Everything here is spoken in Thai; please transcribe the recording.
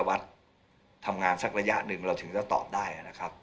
ส่วนท่านศตวรรษทำงานสักระยะหนึ่งเราถึงจะตอบได้นะครับ